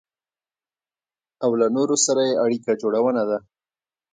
او له نورو سره يې اړيکه جوړونه ده.